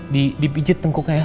di dipijit tengkuknya ya